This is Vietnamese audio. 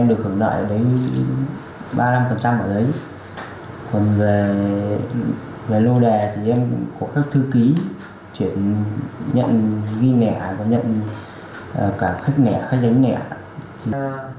tương đương với mức lãi suất từ một trăm tám mươi một năm đến ba trăm sáu mươi một năm tương đương với mức lãi suất từ một trăm tám mươi một năm